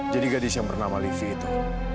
jadi gadis yang bernama livi itu